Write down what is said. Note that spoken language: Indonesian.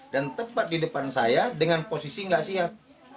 dan tepat di depan saya dengan posisi gak siap